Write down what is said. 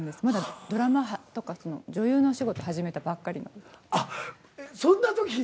まだドラマとかその女優のお仕事始めたばっかりの時。